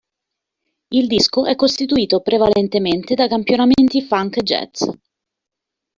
Il disco è costituito prevalentemente da campionamenti funk e jazz.